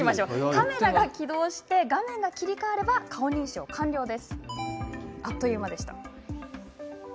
カメラが起動し画面が切り替われば顔認証が完了です。